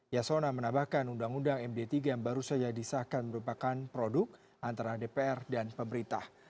yasona menambahkan undang undang md tiga yang baru saja disahkan merupakan produk antara dpr dan pemerintah